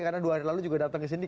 karena dua hari lalu datang ke sini